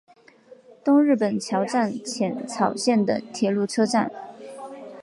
东日本桥站浅草线的铁路车站。